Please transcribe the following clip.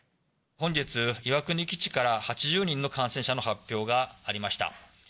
本日、岩国基地から８０人の感染者の発表がありました。